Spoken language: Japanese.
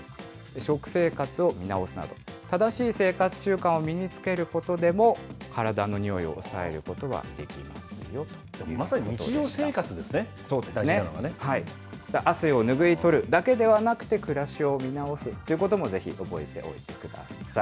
食生活を見直すなど、正しい生活習慣を身につけることでも、体のにおいを抑えることはまさに日常生活ですね、大事汗を拭い取るだけではなくて、暮らしを見直すということも、ぜひ覚えておいてください。